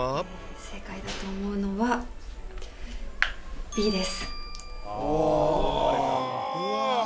正解だと思うのはＢです